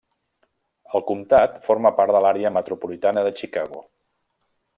El comtat forma part de l'àrea metropolitana de Chicago.